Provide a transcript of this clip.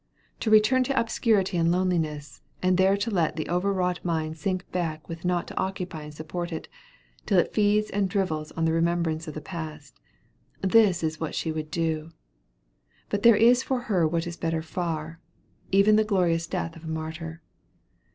To return to obscurity and loneliness, and there to let the over wrought mind sink back with nought to occupy and support it, till it feeds and drivels on the remembrance of the past this is what she would do; but there is for her what is better far, even the glorious death of a martyr.